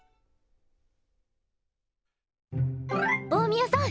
大宮さん